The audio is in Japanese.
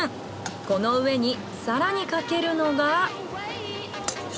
この上に更にかけるのが。